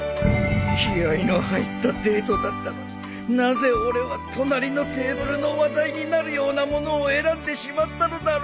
気合の入ったデートだったのになぜ俺は隣のテーブルの話題になるようなものを選んでしまったのだろう